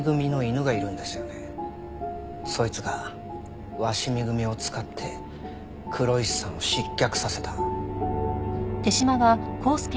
そいつが鷲見組を使って黒石さんを失脚させた。